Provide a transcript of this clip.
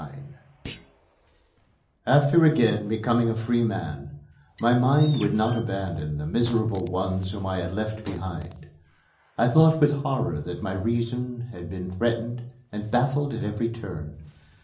XXIX After again becoming a free man, my mind would not abandon the miserable ones whom I had left behind. I thought with horror that my reason had been threatened and baffled at every turn.